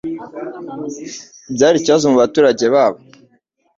Byari ikibazo mubaturage babo.